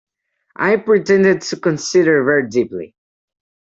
I pretended to consider very deeply.